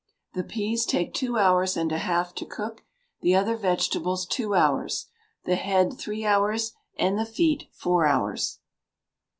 The peas take two hours and a half to cook; the other vegetables, two hours; the head, three hours; and the feet, four hours.